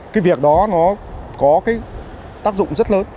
cái việc đó nó có tác dụng rất lớn